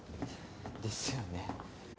ですよね。